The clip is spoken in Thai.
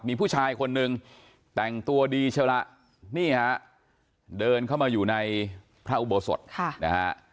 มีผู้ชายคนนึงแต่งตัวดีเชียวละนี่ฮะเดินเข้ามาอยู่ในพระอุโบสถนะฮะ